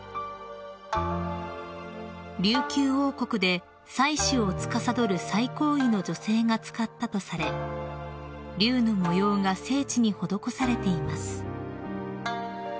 ［琉球王国で祭祀をつかさどる最高位の女性が使ったとされ竜の模様が精緻に施されています］